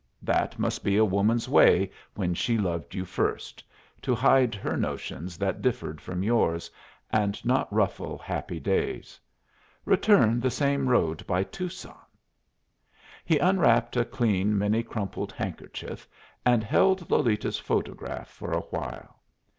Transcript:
That must be a woman's way when she loved you first to hide her notions that differed from yours, and not ruffle happy days. "Return the same road by Tucson!" He unwrapped a clean, many crumpled handkerchief, and held Lolita's photograph for a while.